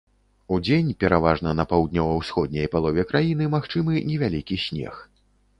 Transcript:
Удзень пераважна на паўднёва-ўсходняй палове краіны магчымы невялікі снег.